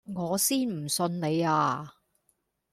我先唔信你呀